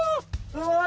すごい。